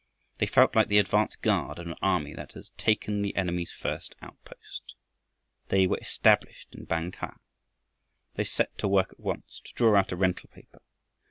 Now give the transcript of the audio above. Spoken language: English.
They felt like the advance guard of an army that has taken the enemy's first outpost. They were established in Bang kah! They set to work at once to draw out a rental paper.